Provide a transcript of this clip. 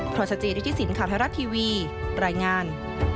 พระวัชฌาติริทธิสินขาวธรรมดาทีวีรายงาน